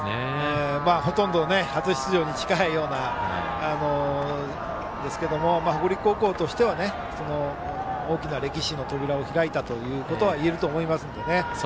ほとんど初出場に近いようなものですが北陸高校としては大きな歴史の扉を開いたということは言えると思いますので。